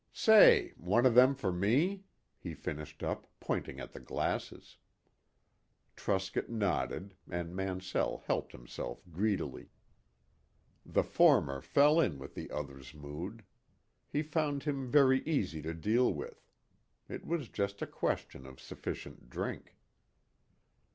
Say, one o' them for me?" he finished up, pointing at the glasses. Truscott nodded, and Mansell helped himself greedily. The former fell in with the other's mood. He found him very easy to deal with. It was just a question of sufficient drink.